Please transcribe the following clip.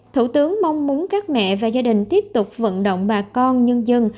thủ tướng mong muốn các mẹ và gia đình tiếp tục vận động bà con nhân dân